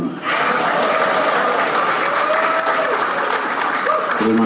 menang bersama rakyat